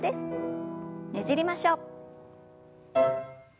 ねじりましょう。